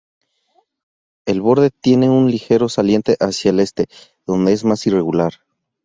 El borde tiene un ligero saliente hacia el este, donde es más irregular.